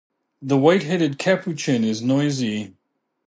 The white-headed capuchin is noisy.